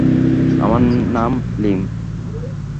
আমার নাম লীম!